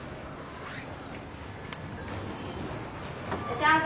いらっしゃいませ。